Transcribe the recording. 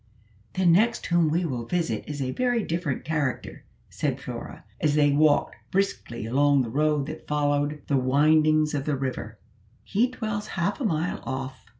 "The next whom we will visit is a very different character," said Flora, as they walked briskly along the road that followed the windings of the river; "he dwells half a mile off."